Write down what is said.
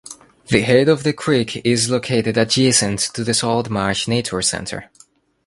The head of the creek is located adjacent to the Salt Marsh Nature Center.